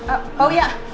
eh pak uya